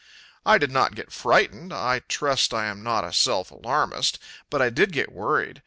I did not get frightened I trust I am not a self alarmist but I did get worried.